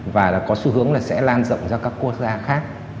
và có xu hướng là sẽ lan rộng ra các quốc gia khác